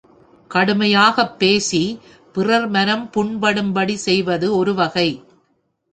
கடுமையாகப் பேசி பிறர் மனம் புண்படும்படி செய்வது ஒரு வகை.